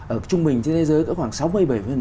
ở trung bình trên thế giới có khoảng sáu mươi bảy